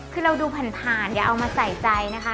คือเราดูผ่านอย่าเอามาใส่ใจนะคะ